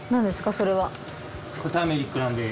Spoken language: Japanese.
それは。